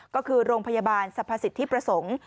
ก็คือโรงพยาบาลสรรพสิทธิประสงค์